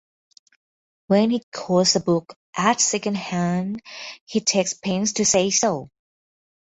When he quotes a book at second hand he takes pains to say so.